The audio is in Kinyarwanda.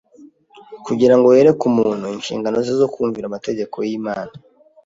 Kugira ngo yereke umuntu inshingano ze zo kumvira amategeko y’Imana